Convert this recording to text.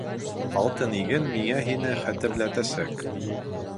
Алтын иген миңә һине хәтерләтәсәк.